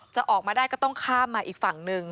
จะออกมาได้ก็ต้องข้ามมาอีกฝั่งหนึ่ง